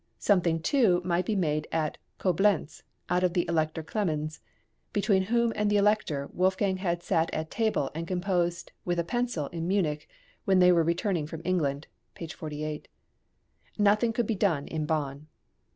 Something, too, might be made at Coblentz out of the Elector Clemens, between whom and the Elector Wolfgang had sat at table and composed with a pencil in Munich, when they were returning from England (p. 48). Nothing could be done in Bonn.